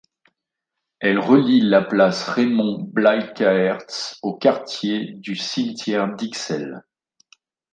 Elle relie la place Raymond Blyckaerts au quartier du Cimetière d'Ixelles.